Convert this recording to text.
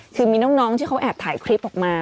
คือมีน้องที่เขาแอบถ่ายคลิปออกมา